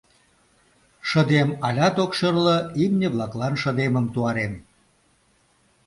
Шыдем алят ок шӧрлӧ, имне-влаклан шыдемым туарем.